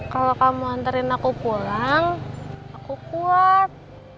kalau kamu antarin aku pulang aku kuat